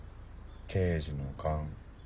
刑事の勘。